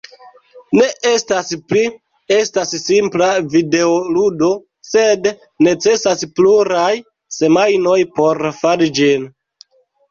Ne estas pli, estas simpla videoludo, sed necesas pluraj semajnoj por fari ĝin.